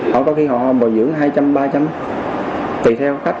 họ có khi họ bồi dưỡng hai trăm linh ba trăm linh tùy theo cách